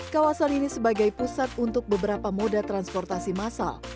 kawasan ini sebagai pusat untuk beberapa moda transportasi masal